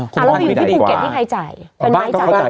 พาลูกไปอยู่ที่ภูเก็ตที่ใครจ่าย